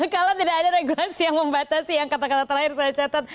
kalau tidak ada regulasi yang membatasi yang kata kata terakhir saya catat